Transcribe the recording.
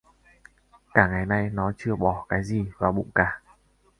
Cả ngày nay nó chưa bỏ cái gì vào bụng cả